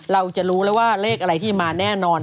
เราจะรู้แล้วว่าเลขอะไรที่จะมาแน่นอน